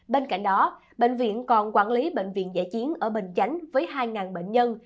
bên cạnh đó bệnh viện còn quản lý bệnh viện giã chiến ở bình chánh với hai bệnh nhân